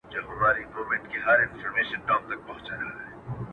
o له څه مودې ترخ يم خـــوابــــدې هغه،